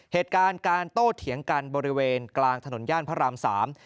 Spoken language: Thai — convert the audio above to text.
เหตุการณ์การโต้เถียงกันบริเวณกลางถนนย่านพระรามสาม